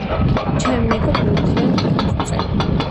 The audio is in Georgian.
ჩემი მეოგბრები მთლიანად გავწუწე